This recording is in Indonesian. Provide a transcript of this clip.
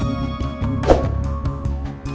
wait mbak putri